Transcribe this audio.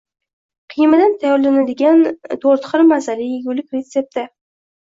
Qiymadan tayyorlanadiganto´rtxil mazali yegulik retsepti